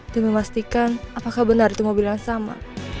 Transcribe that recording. dan memastikan apakah benar itu mobil yang sama